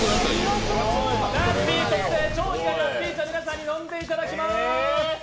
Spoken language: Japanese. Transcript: ラッピー特製超苦いラッピー茶、皆さんに飲んでいただきます。